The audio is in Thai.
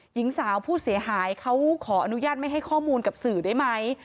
หญิงสาวผู้เสียหายเขาขออนุญาตไม่ให้ข้อมูลกับสื่อได้ไหม